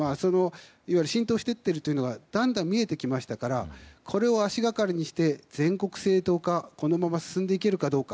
いわゆる浸透していっているのがだんだん見えてきましたからこれを足掛かりにして全国政党化このまま進んでいけるかどうか。